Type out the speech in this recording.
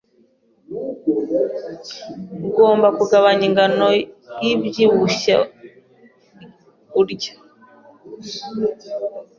Ugomba kugabanya ingano yibyibushye urya.